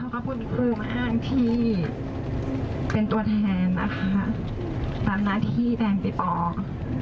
ขอบคุณพูดมากที่เป็นตัวแทนนะคะตามหน้าที่แด่งปริปรอง